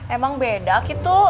emang beda gitu